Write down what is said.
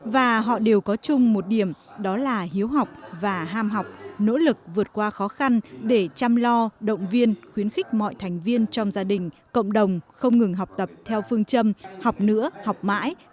và họ đều có chung một điểm đó là hiếu học và ham học nỗ lực vượt qua khó khăn để chăm lo động viên khuyến khích mọi thành viên trong gia đình cộng đồng không ngừng học tập theo phương châm học nữa học mãi